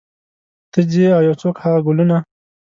ته ځې او یو څوک هغه ګلونه